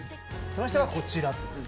その人がこちら。